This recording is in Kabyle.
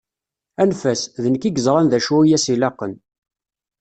Anef-as, d nekk i yeẓran d acu i as-ilaqen.